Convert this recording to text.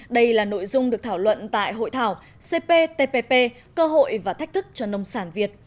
đây là nội dung được thảo luận tại hội thảo cptpp cơ hội và thách thức cho nông sản việt